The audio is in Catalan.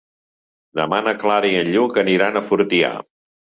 Demà na Clara i en Lluc aniran a Fortià.